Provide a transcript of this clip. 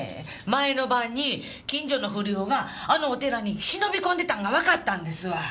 前の晩に近所の不良があのお寺に忍び込んでたんがわかったんですわ。